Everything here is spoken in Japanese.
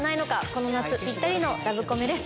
この夏ぴったりのラブコメです